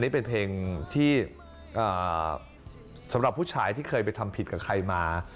เป็นเพลงสำหรับผู้ชายที่เคยไปทำผิดค่ะคนมา